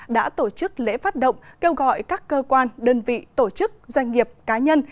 đã tổ chức lễ phát động kêu gọi các cơ quan đơn vị tổ chức doanh nghiệp cá nhân